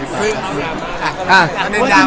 ปอนมันเป็นดรามะที่ไม่ครบ